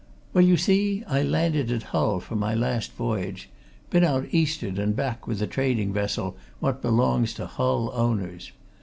Well, you see, I landed at Hull from my last voyage been out East'ard and back with a trading vessel what belongs to Hull owners.